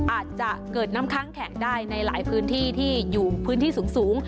อาจจะเกิดน้ำค้างแข็งได้ในหลายพื้นที่ที่อยู่พื้นที่สูง